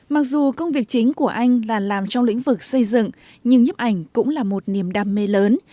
mặc dù công việc chính của anh là làm trong lĩnh vực xây dựng nhưng nhấp ảnh cũng là một niềm đam mê lớn